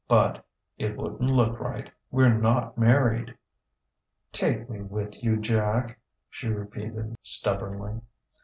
but it wouldn't look right. We're not married." "Take me with you, Jack," she repeated stubbornly.